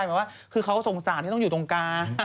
ต้องให้กำลังใจหมายว่าก็เค้าสงสารนี่ต้องอยู่ตรงกัน